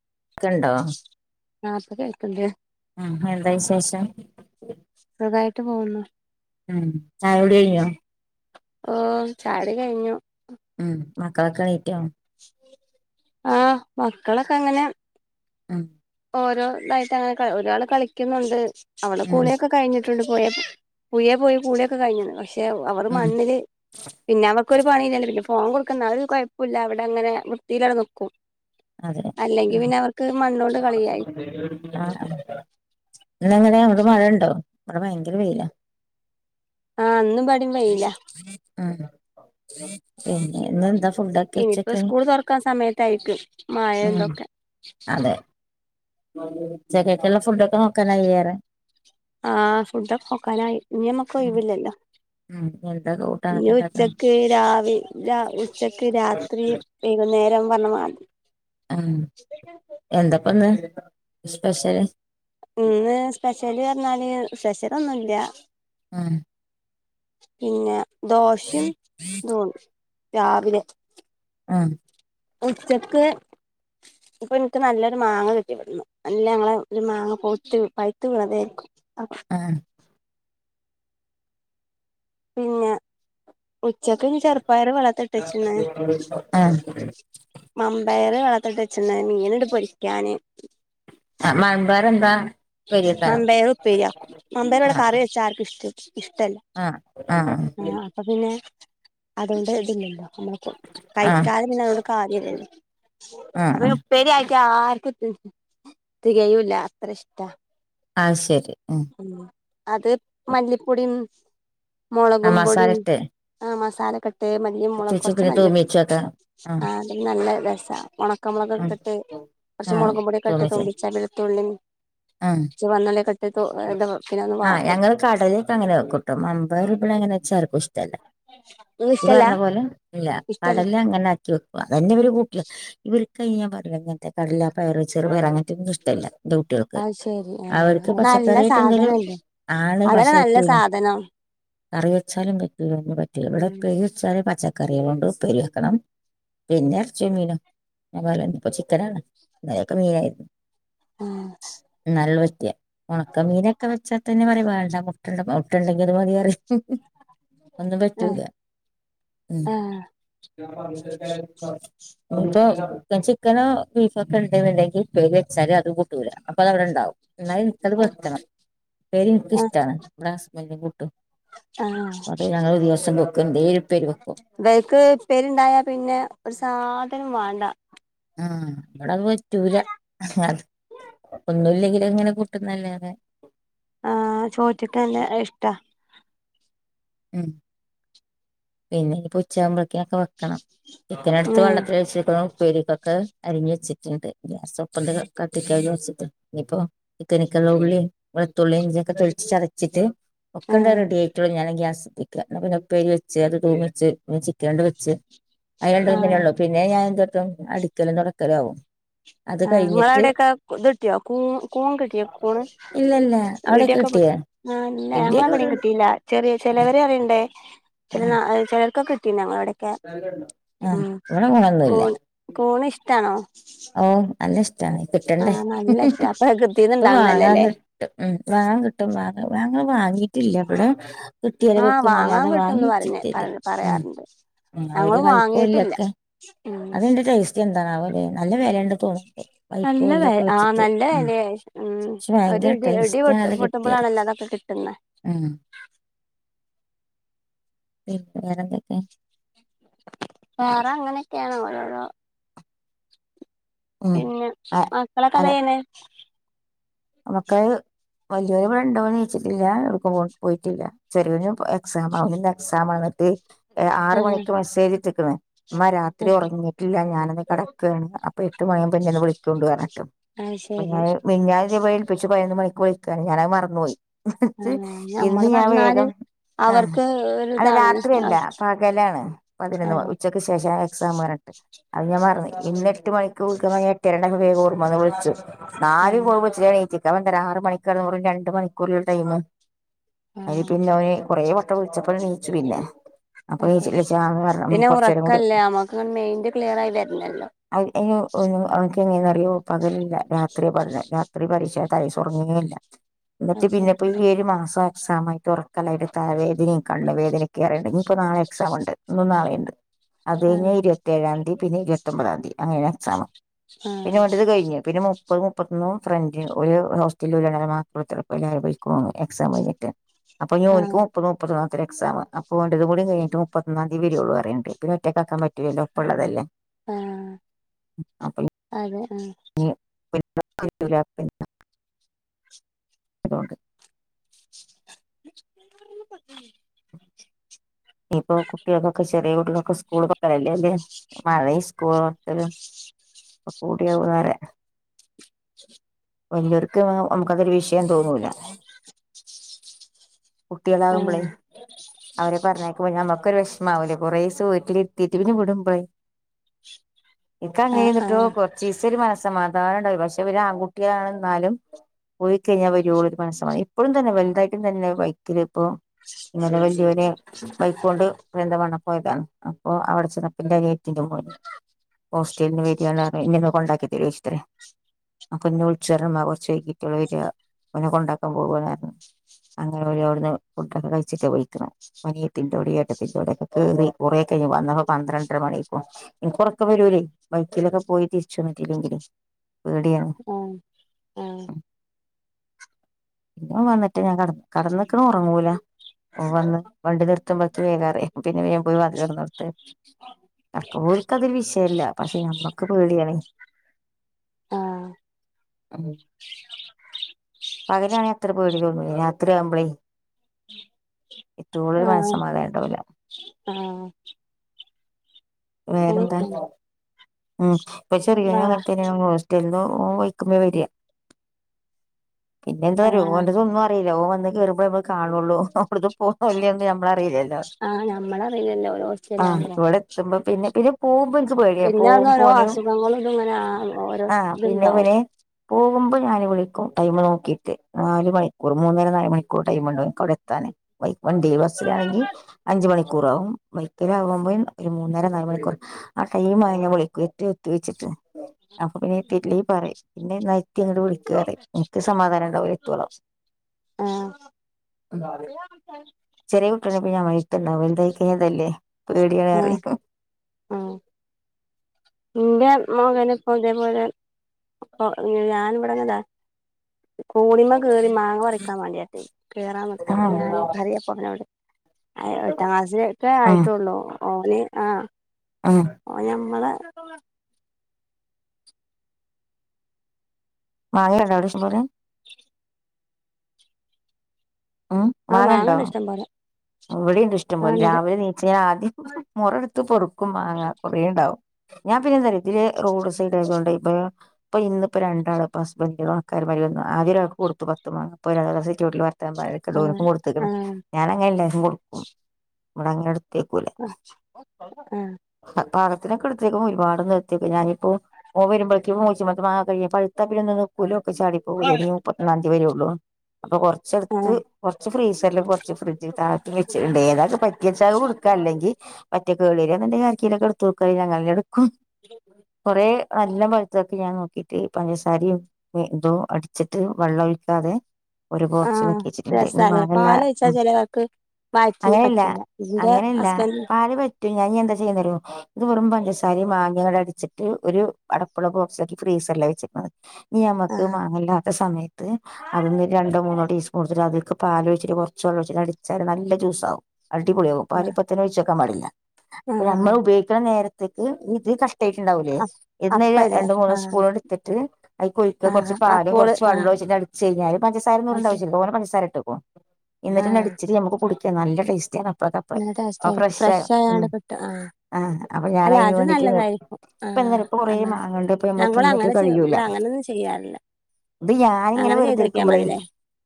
[unintelligible] [unintelligible] ആഹ് എന്താ വിശേഷം സുഖായിട്ട് പോകുന്നു ചായ കുടി കഴിഞ്ഞോ ഓ ചായകുടി കഴിഞ്ഞു ഉം മക്കളൊക്കണീറ്റോ ആഹ് മക്കളൊക്കെ അങ്ങനെ [inaudible] ഓരോ ഇതായിട്ട് അങ്ങന ഒരാള് കളിക്കുന്നുണ്ട് അവളടെ ഉം കുളിയൊക്കെ കഴിഞ്ഞി പുയെ പോയെ കുളിയൊക്കെ കഴിഞ്ഞു പക്ഷേ അവർ ഉം മണ്ണില് പിന്നെ അവർക്കൊരു പണില്ലല്ല പിന്നെ ഫോൺ കൊടു ഒരു കുഴപ്പമില്ല അവിടെ അങ്ങനെ വൃത്തിയിലടെ നിക്കും അല്ലെങ്കിൽ പിന്നെ അവർക്ക് മണ്ണോട് ആഹ് ഇന്നങ്ങനെ അവിടെ മഴുണ്ടോ ഇവിടെ ഭയങ്കര വെയില ആഹ ഇന്നു ഇവിടേം വെയില ഉം പിന്നെ ഇന്ന് എന്താ ഫുഡൊക്കെ ഇനിയിപ്പോ ഉച്ചക്ക് സ്കൂൾ തുറക്കാൻ സമയത്തായിരിക്കും മായെ ന്തൊക്കെ ഉച്ചത്തെയ്ക്കുള്ള ഫുഡൊക്കെ നോക്കാനായി യെറെ ആഹ ഫുഡൊക്കെ കൊക്കാനായി ഇനി നമ്മക്ക് ഒഴിവില്ലല്ലോ ഉം എന്താ ഇനി കൂട്ടാനൊക്കെ ഉണ്ടാക്കണെ ഉച്ചക്ക് രാവി രാ ഉച്ചക്ക് രാത്രി വൈകുന്ന നേരം വര്നമായി ആഹ് യെന്തപ്പന്ന് സ്പെഷ്യലെ ഇന്ന് സ്പെഷ്യല് എന്താല്ലേ സ്പെഷ്യലോന്നുല്ല.... ആഹ് പിന്നെ ദോശയും [unintelligible] രാവിലെ അ... ഉച്ചക്ക് ഇപ്പൊന്ക്ക് നല്ലൊരു മാങ്ങ കിട്ടി വിടുന്നു നല്ല ഞങ്ങളെ ഒരു മാങ്ങ പോത്തു് പഴ്ത്ത് വീണതാരിക്കും ആഹ് പിന്നാ ഉച്ചക്ക് ഇനി ചെറുപ്പായർ വെള്ള ത്തിട്ടച്ചിന് ഉം മം പയറ് വെള്ളത്തിൽട്ട് വച്ചീണ്ട് മീനിണ്ട് പൊരിക്കാന് മൺപയർ എന്താ ഉപ്പേരി വെക്കാനോ മമ്പയർ ഉപ്പേരിയാക്കും മാബയർ ആ കറി വെച്ചാ ആർക്കും ഇഷ്ടല്ല ഇഷ്ടല്ല ആ ആ ആ അപ്പൊ പിന്നെ അതുകൊണ്ട് ഇടുനില്ല നമ്മക്ക് ആ കഴിക്കാതെ പിന്നെ അതുകൊണ്ട് കാര്യല്ലല്ലോ ആ അപ്പൊ ആ ഉപ്പേരി ആയി [unintelligible] ആർക്കുത് തികയുല്ല അത്ര ഇഷ് [inaudible] ആ ശരി ഉം അത് മല്ലിപ്പൊടിയും ആ മസാല മുളകുപൊടിം ഇട്ട് ആ മസ് സാല ക ട്ട് മല്ലിം മൊളക് ഇട്ടിച്ച് കൊറച്ച് പിന്നെ മല്ലിടും തൂമിച്ച് വെക്ക ആ അതിന് നല്ല രസ ആ ഒണക്കമൊളകൊക്കെട്ട് ആ കൊറച്ച് മൊളകും പൊടിയൊക്കെ ഇട്ട് തൂമിച്ച് തൂമിച്ചാ വെളുത്തുള്ളീം ആ ജ്ജ് വന്ന [inaudible] ആ ഞങ്ങള് കാടലേക്കെ അങ്ങനെ വെക്കുട്ടോ മംമ്പയർ അങ്ങനെ വെച്ചാലാര്ക്കും ഇഷ്ടല്ല നിങ്ങക്ക് ഇയ്യ് ഇഷ്ടല്ല പറഞ്ഞ പോലെ ഇല്ല ഇഷ്ടല്ലേ കടല അങ്ങനെയാക്കി വെക്കാ അതെന്റെരു കു ഇവല്ക്ക് അയിന് ഞാപറഞ്ഞ്ലേ ഇങ്ങനെത്തെ കടലാ പയർ ചെറുപയറ് അങ്ങനത്തെന്നും ഇഷ്ടല്ല എന്റെ കുട്ടികൾക്ക് അഹ് ശരി അ അവർക്ക് നല്ലസ പച്ചക്കറിയായിട്ട് എന്തേലും സാധനല്ലേ അതല്ലേ നല്ല സാധനം കറിവെച്ചാലും ക [unintelligible] പറ്റില്ല ഇവടെ ഉം ഉപ്പേരിവെച്ചാല് പച്ച കറികളോണ്ട് ഉപ്പേരി വെക്കണം പിന്നെ എറച്ചിം മീനും [unintelligible] ഇപ്പോ ചിക്കനാണ് ഇന്നലൊക്കെ മീനായിരുന്നു ആ നല്ല കെ ഒണക്കമീനൊക്കെ വെച്ചാതന്നെ പറിം വേ [unintelligible] അത് മതി പറിം അവോന്നും ആ പറ്റൂല. ഉം ആ ഇപ്പ ഇപ്പൊ ചിക്കനോ ബീഫ് ഒക്കെ ഉണ്ട്ന്ന്ണ്ടെങ്കി ഉപ്പേരി വെച്ചാല് അത് കൂ ട്ടൂല അപ്പത് അവിടെ ഇണ്ടാവും ഇന്നാ വെറ്ത്ത്ണ് ഉപ്പേരിന്ക്ക് ആ ഇഷ്ടാണ് വ്ടെ ഹസ്ബൻന്റും കൂട്ടും അത് ഞങ്ങള് ദിവസ് ഹലോ ഇവേക്ക് ഉപ്പേരിരുണ്ടായാ പിന്നെ ഒരു സാധനം വ [inaudible] ആ ഇവിടത് പറ്റൂല അത് ഒന്നുല്ലെങ്കില് അത് ഇങ്ങനെ കൂട്ടുന്നല്ലതെ ആ ചോറ്റ്ക്കല്ലേ ഇഷ്ടാ ഉം പിന്നെ ഇനിപ്പം ഉച്ചയാവുമ്പ കെ ഒക്കെ വെക്കണം ചിക്കനെട്ത്ത് ഉം വള്ളത്ത് വെച്ചേക്ണ് പേരിക്കൊക്കെ അരിഞ്ഞു വെച്ചിട്ടുണ്ട് കട്ട് ചെയ്തു വച്ചിട്ടുണ്ട് ന്പ്പം തെലിക്ക്കുള്ളി വെളുത്തുള്ളിയും ഇഞ്ചി ഒക്കെ തൊലിച്ച് ചതച്ചിട്ട് ഒക്കണ്ട ആഹ് റെഡിയായിട്ട് ഞൻ ഗ്യാ ശ്രദ്ധിക്ക ന്നാപിന്നേ പ്പേരി വ ചേത തൂമിച്ച്‌ ചിക്കേണ്ട് വെച്ച് ആയണ്ടു ഒന്നിനേ ആഹ് ഉള്ള പിന്നെ ഞാ എ അടിക്കലും തൊടക്കലാവും ആ നിങ്ങവിടെക്കെ ഇത്ട്ടിയോ കൂൺ കിട്ടിയോ കൂണ് ഇല്ലല്ല ഇടി അവിടെക്കെ ഒക്കെ കിട്ടിയോ പെട്ടിആ ല്ല ഇടിയൊക്കെ ഇവിടെ ഞങ്ങവിടെയും കിട്ടിയില്ല ചെറിയ ചെലവര അറിയണ്ടേ ചില ആഹ് വെൽക്കക്കെകിട്ട്ണ് ഞങ്ങടെ ല്ല അ ആഹ് ഇവിടെ കൂൺ കൗൺ ഇഷ്ടാണോ ആഹ് അല്ല ഷ് ച്ചാ ന്ന് കിട്ടണ്ടേ ആഹ് ഉ നല്ല ഇഷ്ടാ അപ്പൊ പ്രകൃതീന്ന് ഇപ്പൊ ഇണ്ടാവുന്നതല്ലേ വാങ്ങാൻ ല്ലേ കിട്ടും ഉ വാങ്ങാൻ കിട്ടും മ്മാ അഞങ്ങ വാങ്ങിട്ടില്ല ഇവിടെ കിട്ടിയല് ആഹ് വാങ്ങാൻ വെക്കുന്നല്ലാതെ വാങ്ങി കിട്ടുംന്ന് പറഞ്ഞ് പറ വെച്ചിട്ടില്ല പറയാറുണ്ട് ഉ അവര് ഞങ്ങള് വെൽ പൂ വാങ്ങിയിട്ടില്ല ലൊക്ക ഉം അതിന്റെ ടേസ്റ്റ് എൻ ത്താവലേ നല്ല വിലണ്ട് തോന്നണ്ട് നല്ല വെ വൈക്കല്ലൊക്കെ ആ വെച്ചിട്ട് നല്ല ഉ വെലയായി ഉം പക്ഷെ ഒരു ഭയങ്കര ഇടി ഇടി ടേസ്റ്റ പൊട്ട് ആണ്ത് കിട്ടിയാല് പൊട്ടുമ്പളാണല്ലോ അതൊക്കെ കിട്ടുന്നെ ഉം പിന്നെ വേറെന്തൊക്കെ വേറെ അങ്ങനെയൊക്കെയാണേ ഓരോരോ ഉം പിന്നെ അ മക്കളൊക്കെ ന്താ ചെയ്യണേ നമുക്ക് വലിയവനിവിടെ ഉണ്ടോന്ന് ചോദിച്ചിട്ടില്ല പോ പോയിട്ടില്ല, ചെറിയവനും എക്സാം, അവന് എക്സാം ആണ്. ഏ ആറ് ആഹ് മണിക്ക് മെസ്സേജിട്ട് പിന്നെ അമ്മ രാത്രി അത് ഉറങ്ങിയിട്ടില്ല, ഞാനൊന്കിടക്കുകയാണ്. അപ്പൊ എട്ട് മണിയാകുമ്പോൾ എന്നൊന്ന് വിളിക്കൂന്നു പറഞ്ഞിട്ടു കിടക്കും. അത് അപ്പോ ശരി ഞാൻ മിനിഞ്ഞാ എൽപ്പിച് പതിനൊന്ന് മണിക്ക് പോയിവിളിക്കാൻ ഞാനങ്ങു മറന്നു പോയി. ആഹ് ഇന്ന് ഞമ്മള് ഞാൻ പറഞ്ഞാല് വേഗം ആ അവർക്ക് അത്‌ ഒരിതാണ് രാത്രിയല്ല, ആഹ് പകലാണ് പതിനൊന്ന് ആഹ് ഉച്ചക്ക് ശേഷം എക്സാം വരട്ട് അത് ഞാൻ മറന്നു. ഇന്ന് എട്ട് മണിക്ക്‌ വിളിക്കണമെന്ന്പെട്ടെന്നോർമ്മ വന്നു അത് വിളിച്ചു ആര് ആഹ് പോവുന്നു ആറ് മണിക്കൂർ എന്നു പറഞ്ഞ് രണ്ട് മണിക്കൂറല്ലേടൈമ്. അതിന് ആഹ് പിന്നെ അവന് കൊറെ കോയിച്ചോ അപ്പോഎണീച്ചു പിന്നെ, അത് ശരി അപ്പഎണീച്ച്ല്ലണം പിന്നെ കുറച്ച നേരം കൂടെ ഉറക്കല്ലേ നമ്മക്ക് മൈൻഡ് ക്ലിയർ ആയി വരണല്ലോ [unintelligible] എങ്ങന അറിയോ പകരില്ല ത്രയും പറഞ്ഞു ഞാൻ ത്തിറീ പരീക്ഷയായിട്ട് തൈസ് ഉറങ്ങിയേയില്ല എന്നിട്ട് അത് പിന്നെ ശരി പയ്യെ ഏഴു മാസായ് സാമയത്ത് ഉറക്കളഎടുത്താലേ ഇനികണ്ണുവേദനക്കയാണ് ഇനിയിപ്പോൾ നാളെ എക്സാം ഉണ്ട്. ഇന്നും നാളെയുംഉണ്ട്. അത് കഴിഞ്ഞാൽ ആഹ് ഇരുപത്തേഴാം തീയതി പിന്നെ ഇരുപത്തൊൻമ്പതാം തീയതി അങ്ങനെ എക്സാം. പിന്നെ ആഹ് മറ്റെ ത് കഴിഞ്ഞുപിന്നെ മുപ്പ മുപ്പതും മുപ്പത്തൊന്നോ ഫ്രണ്ടിൽഒരു ഹോസ്റ്റലിൽള്ളര്മാത്രംഎല്ലാവരും പോയിക്കോളും എക്സാം കഴിഞ്ഞിട്ട് അപ്പൊ ഇനി ഒൻക്ക് ആഹ് മുപ്പത് മുപ്പത് മാത്രമേ എക്സാമ്, അപ്പംഇതു കൂടി കഴിഞ്ഞിട്ട്മുപ്പത്തിയൊന്നാം തീയതിയേവരുകയുള്ളൂ. ഇവരെ ഒറ്റക്കാൻ പറ്റുവേലല്ലോ ഒപ്പമുള്ളതല്ലേ. ആ... അതേ.. ആ [unintelligible] അതുകൊണ്ട് [inaudible] ഇനിയിപ്പോ കുട്ടികൾക്ക്, ഒക്കെ ചെറിയ കുട്ടികൾക്കൊക്കെ ചെറിയ സ്കൂൾ തുറക്കലല്ലേ അല്ലേ പഴയ സ്കൂൾ ഒക്കെ പൂട്ടിയ പോലെ വലിയവർക്ക് നമുക്കതൊരു വിഷയം തോന്നൂല. കുട്ടികളാകുമ്പ്ളെ ആഹ് അവരെ പറഞ്ഞയക്കു മ്പം ഞാമാ ഒരു വിഷമമാവൂലേ കുറേ ദിവസം വീട്ടിലിരുത്തീട്ട് പിന്നെ വിടുമ്പോഴെ ആഹ് എനിക്ക്അങ്ങനെയിരിന്നിട്ട് ആഹ് കുറച്ച് ദിവസത്തേക്ക് ഒരു മനസ സമാധാനം ഉണ്ടാവില്ല, പക്ഷേ ഇവര് ആൺകുട്ടിയാണെന്നാലും പോയി കഴിഞ്ഞാൽ വരുവോളം ഒരു മനസ്സ ഇപ്പോയും തന്നെ വലുതായിട്ടും തന്നെ ബൈ ഇപ്പോ ഇന്നലെ വലിയവന് ബൈക്ക് കൊണ്ട് എന്ത വന്ന പോയതാണ് അപ്പൊ അവിടെ ചെന്നപ്പ എന്റെ അനിയത്തിന്റെ മോൻ ഹോസ്റ്റലിന്ന് വരികയാന്ന് പറഞ്ഞ് എന്നെ ഒന്ന് കൊണ്ടാക്കി തരുവോന്ന് ചൊച്ച് ഇത്രയും അപ്പൊ ഇന്ന വിളിച്ചു പറഞ്ഞ് ഉമ്മ കുറച്ച് വൈകീട്ട് വരിക പിന്നെ കൊണ്ടാക്കാൻ പോവാനായിരുന്നു അങ്ങനെ [unintelligible] ഫുഡ് ഒക്കെ കഴിച്ച് ആ പോയേക്കാണത് [unintelligible] കുറെ കഴിഞ്ഞു വന്നപ്പോൾ പന്ത്രണ്ടര മണിയായി എനിക്ക് ഉറക്കം വരില്ലേ ബൈക്കിൽ ഒക്കെ പോയി തിരിച്ച് വന്നില്ലെങ്കിലേ അ ആ ഞാൻ വന്നിട്ട് ഞാൻ കിട കടന്നേക്കാണ് ഉറങ്ങൂല ഓന് വന്നു വണ്ടി നിർത്തുമ്പോക്കും വേഗരായി പിന്നെ വേഗം പോയി വാതിൽ തുറന്നു കൊടുത്ത് [unintelligible] ഓക്ക് ഒരു വിഷയം അല്ല പക്ഷേ നമ്മക്ക് പേടി ആണേ ആഹ് പകൽ ആണേൽ അത്ര പേടി തോന്നില്ല രാ ഇത്രയാവുമ്പളേ ഏറ്റവും കൂടുതൽ ആഹ് ആഹ് മനസ്സമാധാനമുണ്ടാവില. ആഹ് വേറെന്താ അങ്ങനെയൊക്കെയാണ് ഉം [unintelligible] വാ [unintelligible] വരിക പിന്നെ എന്തോ ആ ഓനതൊന്നും അറിയില്ല ഓ വന്ന് കേറുമ്പോഴേ നമ്മള് കാണുള്ളൂ അവിടും പോന്നല്ലന്ന് ഞമ്മള് അറിയില്ലല്ലോ. നമ്മൾ അറില്ലല്ലോ ഒരു ഹോസ്റ്റലാവുമ്പോ [unintelligible] ദ് പേടിയാ പിന്നെ അന്ന് ഓരോ പോകുമ്പൊനും അസുഖങ്ങളും ഇതും ഇങ്ങനെ ആ ഓരോ ആ ഇത്ണ്ടാവും പിന്നെപ്പിന്നെ പോകുമ്പോ ഞാൻ വിളിക്കും [unintelligible] ടൈമ് നോക്കിട്ട് നാല് മണിക്കൂർ മൂന്നര നാല് മണിക്കൂർ ടൈമുണ്ടോനിക്ക് അവിടെ എത്താനേ. വൈ ബസ്സിലാണെങ്കിൽ അഞ്ച് മണി. കുറവും [inaudible] ഒരു മൂന്നര നാല് മണിക്കൂർ ആ ടൈം ആയ ഞാൻ വിളിക്കു എത്തിയോ എത്തി വെച്ചിട്ട്. അപ്പൊ പിന്നെ എത്തിട്ടില്ലെ പറയ് ന്നെ ന്നായി യ്ക്ക ഇങ്ങട്ട് വിളിക്ക് പറയും നിക്ക് സമാധാനം ഉണ്ടാവില്ല ഇപ്പളും ആ [unintelligible] [unintelligible] [unintelligible] ഒരു വലിയ അ ആ എന്റെ മകനെ ഇപ്പൊ ഇതേപോലെ ഇപ്പൊ ഞാൻ ഇവിടെന്നതാ. കോണിമ്മേ കേറി മാങ്ങ പറിക്കാൻ വേണ്ടിട്ട് കേറാൻ നിക്കാ അപ്പം ഞാന് [unintelligible] എട്ടാം ക്ലാസില ഒക്കെ ഉം ആയിട്ടുള്ളൂ. ഓനെ ആ.. ഉം ഓ ഞമ്മള് മാങ്ങ ഉണ്ടോ അവിടെ ഇഷ്ടം പോലെ ഉം ആ മാങ്ങണ്ടോ മാങ്ങണ്ട് ഇഷ്ടം പോലെ ഇവിടെണ്ട് ഇഷ്ടം ആ പോലെ ഇണ്ട് രാവിലെ നീച്ചാൽ ആദ്യം മുറടുത്ത് പൊറുക്കും മാങ്ങ കൊറേ ഉണ്ടാവും. ഞാൻ പിന്നെ [unintelligible] ഇതില് റോഡ് സൈഡ് ആയത് കൊണ്ട് ഇപ്പ ഇപ്പൊ ഇന്നിപ്പോ രണ്ടാള് ഹസ്ബൻഡ് [unintelligible] [inaudible] കൊടുത്തു പത്ത് മാങ്ങ. [unintelligible] ആ ആ [unintelligible] ഞാൻ അങ്ങേല്ല കൊടുക്കും മാങ്ങടെ അ [unintelligible] ചാടി പോകല ഇനി മുപ്പത്തിന്നാം തീയതി വരെയള്ളൂ അപ്പൊ ആ കൊറച്ചടുത്ത് കുറച്ച് ഫ്രീസറിലും കുറച്ച് ഫ്രിഡ്ജി താത്ത് വെച്ചിട്ടുണ്ട് ഏതാക്ക പറ്റിയ ചാ കൊടുക്കാ അല്ലെങ്കിൽ പറ്റേ കേളി എന്റെ [unintelligible] ഞങ്ങള കുറേ നല്ല പഴുത്തൊക്കെ ഞാൻ നോക്കിട്ട് പഞ്ചസാരിയും അടിച്ചിട്ട് വെള്ളോഴിക്കാതെ ഒരു ബോക്സില് ആഹ് വച്ചിട്ടുണ്ട് ഇനി മാങ്ങേല്ലാം മ് വായിച്ചന് പറ്റില്ല ഇതിന്റെ അങ്ങനെയല്ല ഹസ്ബൻ പാല് പറ്റും ഞാൻ ഇനിയന്താ ചെയ്യുവാന്നറിയുവോ ഇത് വെറും പഞ്ചസാരയും മാങ്ങയട് അടിച്ചിട്ട് ഒരു അടപ്പള്ള ബോക്സിലാക്കി ഫ്രീസറിലെ വെച്ചിരിന്നാതി നീ നമ്മുക്ക് ആഹ് മാങ്ങല്ലാത്ത സമയത്ത് അതീന്ന് രണ്ടോ മൂന്നോ ടീസ്പൂൺടുത്തിട്ട് അത്ൽക്ക് പാലേഴിച്ചിട്ട് കുറച്ച് വെള്ളോഴിച്ചിട്ട് അടി ശരി നല്ല ജ്യൂസവും അടിപൊളിയവും ആഹ് പാലിപ്പത്തന്നെ ഒഴിച്ചോ ക്കാ പാടില്ല അപ്പൊ ആഹ് നമ്മള് ഉപയോഗിക്കുന്ന നേര [unintelligible] ട്ടേറ്റ് ഇണ്ടാവുലെ അപ് [unintelligible] അപ്പല്ലേ രണ്ട് മൂന്ന് ആഹ് സ്പൂൺ എട്ത്തിട്ട് അയ്ക്ക് ഒര് കുറച്ച ആഹ് പാല് അപ്പോള് കുർച്ച് വെള്ളോ ആഹ് ഒയ്ച്ച അടച്ചായിഞ്ഞാൽ പഞ്ചസാരോന്ന് ഇണ്ടണ്ട ആവശ്യല്ല തോനെ ആ ഇനി നമുക്ക് കുടിക്കാം നല്ല ടെസ്റ്റാന്ന് ടേസ്റ്റായിരിക്കും ഫ്രഷാ ഫ്രഷ് മ ആയാണ്ട് കിട്ടും ആഹ് ആ അപ്പൊ ഞൻ അല്ല അതിന് അത് വേണ്ടീട്ട് നല്ലതായിരിക്കും ഇപ്പ എന്ത ആഹ് ഇപ്പ കൊറ അങ്ങനെ മാങ്ങയോണ്ട് തിന്നിട്ട് ഞങ്ങളങ്ങനെ ചെ കഴിയൂല ഇവിടെ അങ്ങനൊന്നും ചെയ്യാറില്ല ഇത് ഞാനിങ്ങനെ അങ്ങനെ ചെയ്തോക്കിയാ വെറുതേരിക്കുമ്പോളേ മതില്ലേ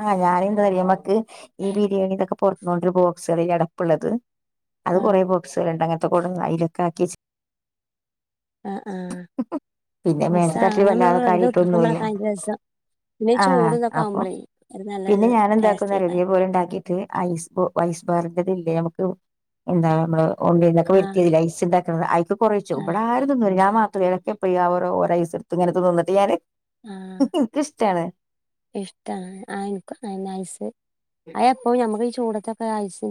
ആ ഞാന എന്താമ്മക്ക് ഈ എന്തൊക്കെ പുറത്തു കൊണ്ടൊരു മ്പോ ബോക്സ് അടപ്പ്ള്ളത് അത് ആഹ് കുറേ ബോക്സ്കളുണ്ട് അങ്ങ [unintelligible] ആ ആ പിന്നെ രസ മേലത്തെ തട്ടില് അങ്ങനെ വല്ലാതെ വെറുതെ കാര്യായിട്ടൊന്നുല്ല കുത്രക്കുമ്പോളക്കെ അതിന്റെ രസം പിന്നെ ആഹ് ചൂടന്നൊക്കെ അപ്പൊ ആവുമ്പോളേ നല്ലൊ ടേസ്റ്റ് ആയിക്ക [unintelligible] ഉണ്ട് ഇന്നക്കെ ആഹ് വരുത്തിയതി ലൈസ് ഇണ്ടക്കുന്നത് അക്ക കുറച്ചു ആഹ് ഇവിടെ ആരും തിന്നുല ഞാ മാ പത്രഴക്കെ പ്രിയോരോഓര സരത്ത് ഇങ്ങന നിന്നിട്ട് ഞാന് ഇൻക്ക് ഇഷ്ട്ടാണ് ഇഷ്ട്ടാണ് എനിക്കും ഐസ് ഇപ്പോൾ നമുക്ക് ഈ ചൂടത്തൊക്കെ ഐസിന്റെ